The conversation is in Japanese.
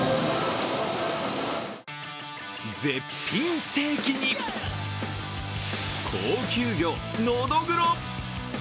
絶品ステーキに高級魚、のどぐろ。